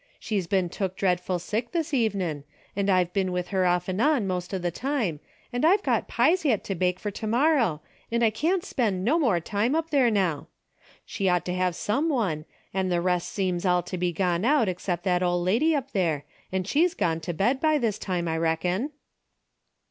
She's ben took dreadful sick this evenin', and I've ben with her off an' on most all the time, an' I've got pies yet to bake fer to morrow, an' I can't spend no more time up there now. She ought to have some one, an' the rest seems all to be gone out 'cept that ol' lady up there, an' she's gone to bed by this time, I reckon."